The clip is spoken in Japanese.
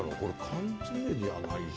缶詰じゃないし。